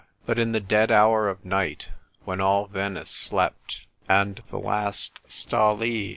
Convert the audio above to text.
But in the dead hour of night, when all Venice slept, and the last " Stall !